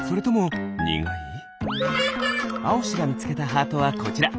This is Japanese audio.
あおしがみつけたハートはこちら。